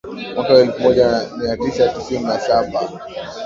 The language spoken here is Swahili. Mwaka wa elfu moja mia tisa tisini na saba